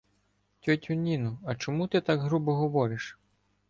Тьотю Ніно, а чому ти так грубо говориш?